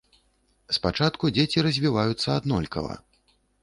Спачатку дзеці развіваюцца аднолькава.